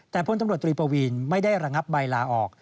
แต่พลตำรวจตรีปวีนไม่ได้ระงับใบลาออก